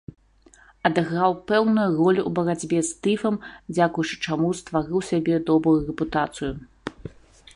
Адыграў пэўную ролю ў барацьбе з тыфам, дзякуючы чаму стварыў сабе добрую рэпутацыю.